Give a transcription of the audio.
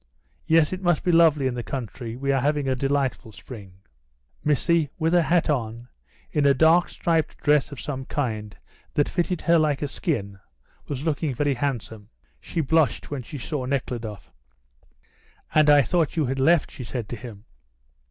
Yes, it must be lovely in the country; we are having a delightful spring." Missy, with her hat on, in a dark striped dress of some kind that fitted her like a skin, was looking very handsome. She blushed when she saw Nekhludoff. "And I thought you had left," she said to him.